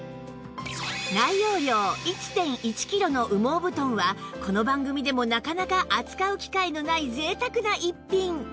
内容量 １．１ キロの羽毛布団はこの番組でもなかなか扱う機会のない贅沢な逸品